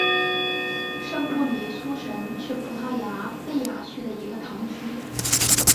圣布里苏什是葡萄牙贝雅区的一个堂区。